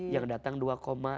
yang datang dua koma